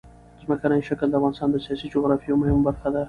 ځمکنی شکل د افغانستان د سیاسي جغرافیه یوه مهمه برخه ده.